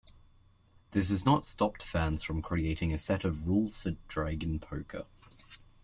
This has not stopped fans from creating a set of "Rules For Dragon Poker".